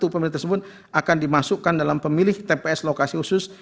satu pemilih tersebut akan dimasukkan dalam pemilih tps lokasi khusus